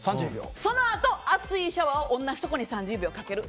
そのあと、熱いシャワーを同じところに３０秒かける。